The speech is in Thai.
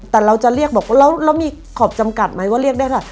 แต่เราจะเรียกบอกว่าแล้วมีขอบจำกัดไหมว่าเรียกได้ค่ะ